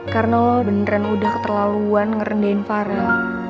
karena lo beneran udah keterlaluan ngerendahin varel